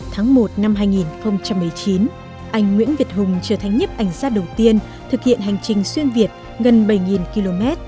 tháng một năm hai nghìn một mươi chín anh nguyễn việt hùng trở thành nhếp ảnh sát đầu tiên thực hiện hành trình xuyên việt gần bảy km